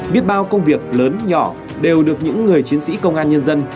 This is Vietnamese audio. biết bao công việc lớn nhỏ đều được những người chiến sĩ công an nhân dân